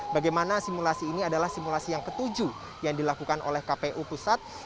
bagaimana simulasi ini adalah simulasi yang ketujuh yang dilakukan oleh kpu pusat